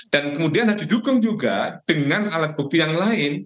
dan kemudian ada didukung juga dengan alat bukti yang lain